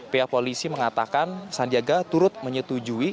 pihak polisi mengatakan sandiaga turut menyetujui